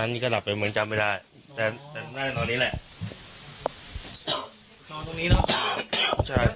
นั่งนี่ครับอ๋อนั่งเบลาะเบลอ่ะนั่งบ้า